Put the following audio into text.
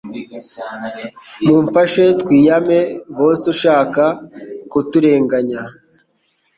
mumfashe twiyame bosi ushaka kuturenganya